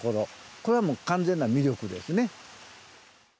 これはもう完全な魅力ですね。